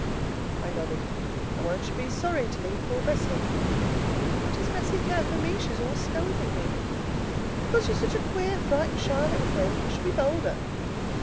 I nodded. "And won't you be sorry to leave poor Bessie?" "What does Bessie care for me? She is always scolding me." "Because you're such a queer, frightened, shy little thing. You should be bolder."